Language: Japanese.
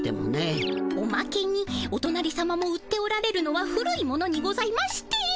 おまけにおとなりさまも売っておられるのは古い物にございまして。